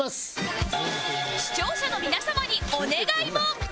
視聴者の皆様にお願いも